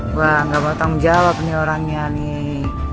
gua nggak mau tang jawab nih orangnya nih